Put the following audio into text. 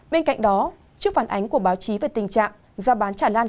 bên cạnh đó trước phản ánh của báo chí về tình trạng ra bán trả lan